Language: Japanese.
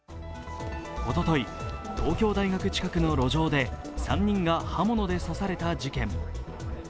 おととい、東京大学近くの路上で３人が刃物で刺された事件。